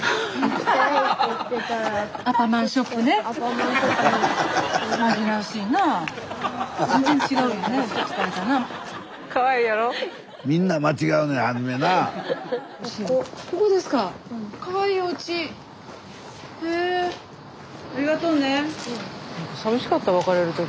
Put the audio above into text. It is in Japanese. スタジオ寂しかった別れる時。